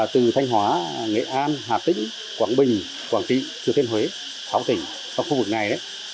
từ thanh hóa nghệ an hà tĩnh quảng bình quảng trị thừa thiên huế sáu tỉnh trong khu vực này